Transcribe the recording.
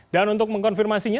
dan untuk mengkonfirmasinya